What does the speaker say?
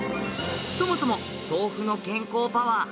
そもそも豆腐の健康パワー